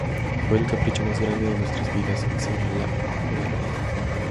Fue el capricho más grande de nuestras vidas..., señala Galo.